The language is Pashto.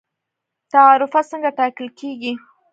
تعرفه څنګه ټاکل کیږي؟